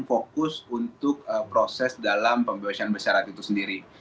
fokus untuk proses dalam pembebasan bersyarat itu sendiri